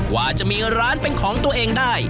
ว่าจะมีร้านเป็นของตัวเองได้